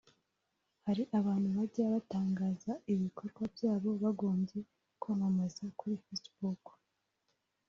Hari abantu bajya batangaza ibikorwa byabo bagombye kwamamaza kuri facebook